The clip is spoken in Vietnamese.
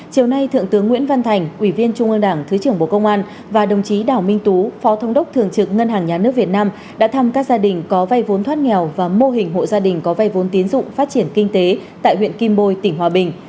chiều nay thượng tướng nguyễn văn thành ủy viên trung ương đảng thứ trưởng bộ công an và đồng chí đảo minh tú phó thông đốc thường trực ngân hàng nhà nước việt nam đã thăm các gia đình có vay vốn thoát nghèo và mô hình hộ gia đình có vay vốn tiến dụng phát triển kinh tế tại huyện kim bôi tỉnh hòa bình